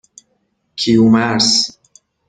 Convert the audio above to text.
کیومرث